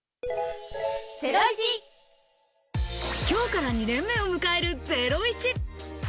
今日から２年目を迎える『ゼロイチ』。